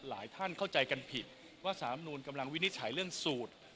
หลายท่านเข้าใจกันผิดว่าสามนูลกำลังวินิจฉัยเรื่องสูตร